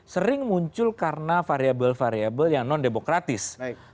sering muncul karena variabel variabel yang non demokratis